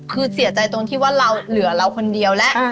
คือเสียใจตรงที่ว่าเราเหลือเราคนเดียวแล้ว